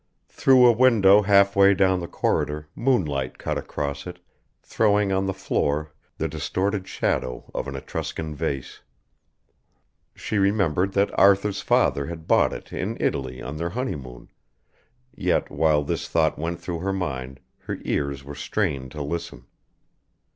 Through a window halfway down the corridor moonlight cut across it, throwing on the floor the distorted shadow of an Etruscan vase. She remembered that Arthur's father had bought it in Italy on their honeymoon, yet, while this thought went through her mind, her ears were strained to listen.